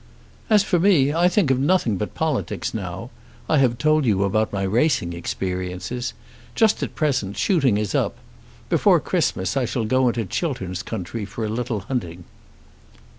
"As for me, I think of nothing but politics now. I have told you about my racing experiences. Just at present shooting is up. Before Christmas I shall go into Chiltern's country for a little hunting."